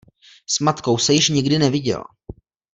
S matkou se již nikdy neviděla.